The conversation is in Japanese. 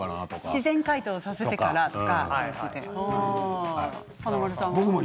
自然解凍させてとか華丸さんは？